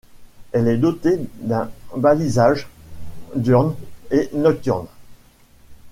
Elle est dotée d’un balisage diurne et nocturne.